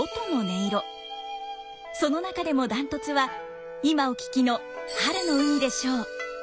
その中でもダントツは今お聴きの「春の海」でしょう。